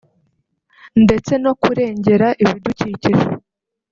ndetse no kurengera ibidukikije